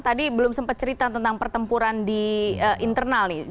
tadi belum sempat cerita tentang pertempuran di internal nih